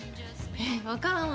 えっわからない。